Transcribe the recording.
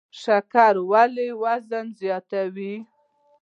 شکر ولې وزن زیاتوي؟